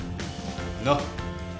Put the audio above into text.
なっ？